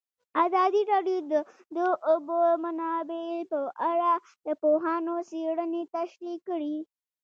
ازادي راډیو د د اوبو منابع په اړه د پوهانو څېړنې تشریح کړې.